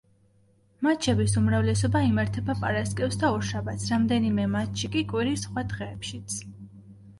მატჩების უმრავლესობა იმართება პარასკევს და ორშაბათს, რამდენიმე მატჩი კი კვირის სხვა დღეებშიც.